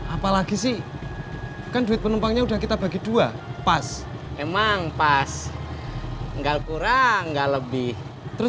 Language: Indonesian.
apalagi sih kan duit penumpangnya udah kita bagi dua pas emang pas enggak kurang enggak lebih terus